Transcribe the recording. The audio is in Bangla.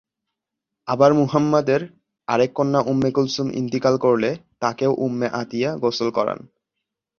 আবার মুহাম্মাদের আরেক কন্যা উম্মে কুলসুম ইনতিকাল করলে তাকেও উম্মে আতিয়া গোসল করান।